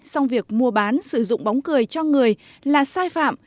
song việc mua bán sử dụng bóng cười cho người là sai phạm